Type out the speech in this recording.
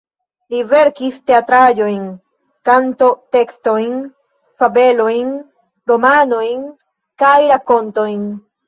Li verkis teatraĵojn, kanto-tekstojn, fabelojn, romanojn, kaj rakontojn.